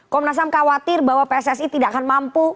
komnas ham khawatir bahwa pssi tidak akan mampu